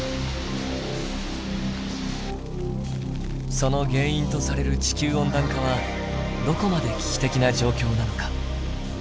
その原因とされる地球温暖化はどこまで危機的な状況なのか。